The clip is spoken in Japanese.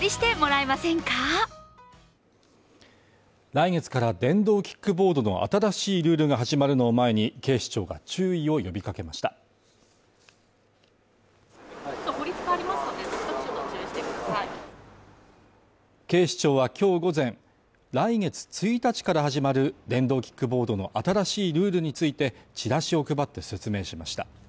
来月から電動キックボードの新しいルールが始まるのを前に、警視庁が注意を呼びかけました警視庁は今日午前、来月１日から始まる電動キックボードの新しいルールについて、チラシを配って説明しました。